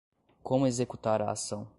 Como Executar a Ação